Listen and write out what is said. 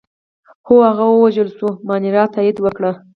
هو، هغه ووژل شو، مانیرا تایید وکړه.